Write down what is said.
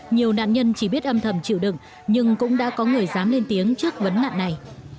nhiều nạn nhân chỉ biết âm thầm chịu đựng nhưng cũng đã có người dám lên tiếng trước vấn nạn này